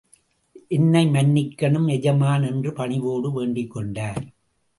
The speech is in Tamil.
என்னை மன்னிக்கனும் எஜமான் என்று பணிவோடு வேண்டிக் கொண்டார்.